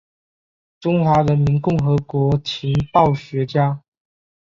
中华人民共和国情报学家。